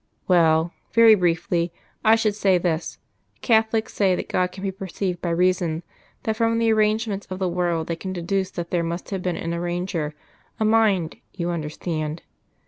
"Well very briefly, I should say this: Catholics say that God can be perceived by reason; that from the arrangements of the world they can deduce that there must have been an Arranger a Mind, you understand.